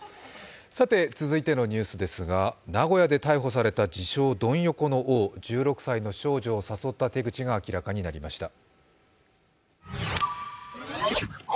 続いてのニュースですが、名古屋で逮捕された自称・ドン横の王、１６歳の少女を誘った手口が明らかになりました。